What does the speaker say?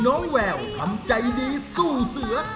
แววทำใจดีสู้เสือ